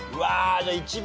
じゃあ１番。